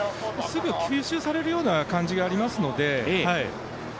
すぐ吸収されるような感じがありますので。